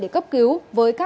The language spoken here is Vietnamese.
để cấp phòng